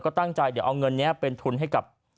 ก็ตั้งใจเดี๋ยวเอาเงินนี้เป็นทุนให้กับ